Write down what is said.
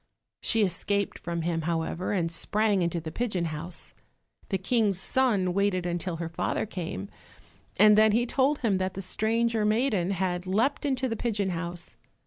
She escaped from him, however, and sprang into the pigeon house. The King's son waited until her father came, and then he told him that the stranger maiden had leapt into the pigeon house.